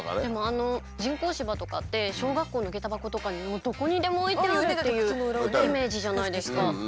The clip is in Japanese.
でもあの人工芝とかって小学校のげた箱とかどこにでも置いてあるっていうイメージじゃないですか。